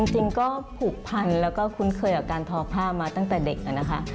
จริงก็ผูกพันแล้วก็คุ้นเคยกับการทอผ้ามาตั้งแต่เด็กนะคะ